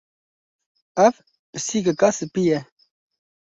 Ev pisîkeka spî ye.